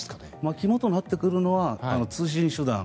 肝となってくるのは通信手段。